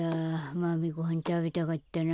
マメごはんたべたかったな。